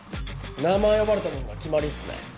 名前を呼ばれたもんが決まりっすね。